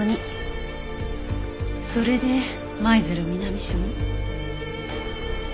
それで舞鶴南署に。